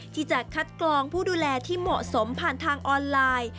ที่จะคัดกรองผู้ดูแลที่เหมาะสมผ่านทางออนไลน์